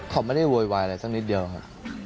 เขาไม่ได้โวยวายอะไรสักนิดเดียวค่ะ